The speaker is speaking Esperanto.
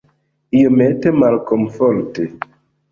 Iomete malkomforte.